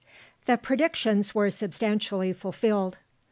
The predictions were substantially fulfilled.